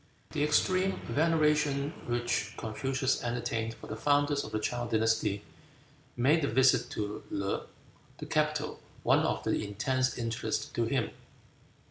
The extreme veneration which Confucius entertained for the founders of the Chow dynasty made the visit to Lo, the capital, one of intense interest to him.